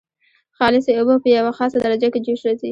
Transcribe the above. خالصې اوبه په یوه خاصه درجه کې جوش راځي.